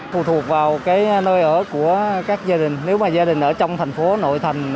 phù thuộc vào nơi ở của các gia đình nếu mà gia đình ở trong thành phố nội thành